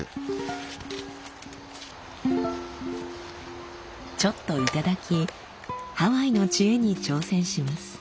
ちょっと頂きハワイの知恵に挑戦します。